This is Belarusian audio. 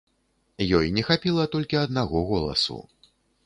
Ёй не хапіла толькі аднаго голасу.